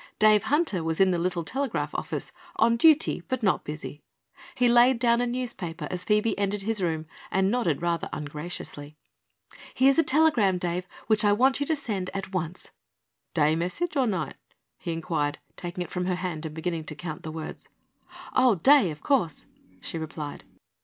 Dave Hunter was in the little telegraph office, on duty but not busy. He laid down a newspaper as Phoebe entered his room and nodded rather ungraciously. "Here's a telegram, Dave, which I want you to send at once." "Day message, or night?" he inquired, taking it from her hand and beginning to count the words. "Oh, day, of course," she replied.